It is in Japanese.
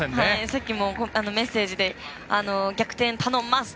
さっきもメッセージで逆転たのんます！